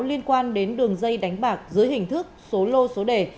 liên quan đến đường dây đánh bạc dưới hình thức số lô số đề